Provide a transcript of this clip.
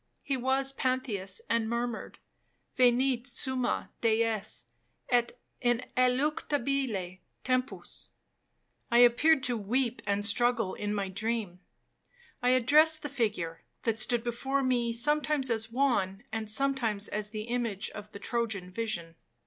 He was Pantheus, and murmured, 'Venit summa dies, et ineluctabile tempus.' I appeared to weep and struggle in my dream. I addressed the figure that stood before me sometimes as Juan, and sometimes as the image of the Trojan vision.